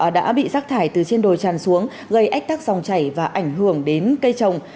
đã bị rác thải từ trên đồi tràn xuống gây ách tắc dòng chảy và ảnh hưởng đến cây trồng